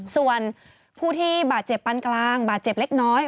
ส่วนผู้ที่บาดเจ็บปันกลางบาดเจ็บเล็กน้อย